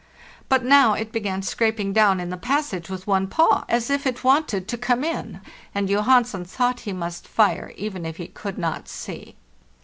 But now it began scraping down in the passage with one paw,'as if it wanted to come in, and Johansen thought he must fire, even if he could not see.